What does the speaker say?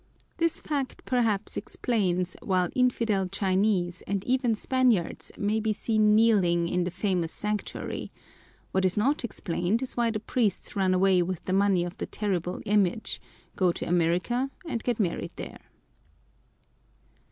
This fact perhaps explains why infidel Chinese and even Spaniards may be seen kneeling in the famous sanctuary; what is not explained is why the priests run away with the money of the terrible Image, go to America, and get married there.